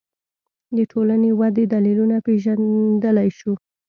د ټولنې ودې دلیلونه پېژندلی شو